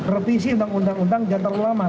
revisi undang undang jantar ulama